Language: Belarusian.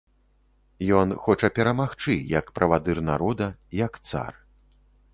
Ён хоча перамагчы, як правадыр народа, як цар.